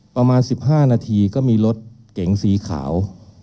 ประมาณ๑๕นาทีก็มีรถเก๋งสีขาว